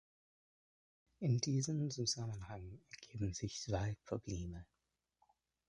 In diesem Zusammenhang ergeben sich zwei Probleme.